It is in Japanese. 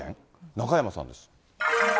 中山さんです。